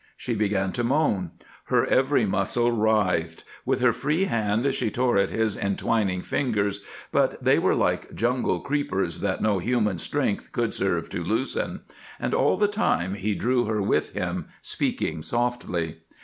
She began to moan. Her every muscle writhed. With her free hand she tore at his entwining fingers, but they were like jungle creepers that no human strength could serve to loosen. And all the time he drew her with him, speaking softly.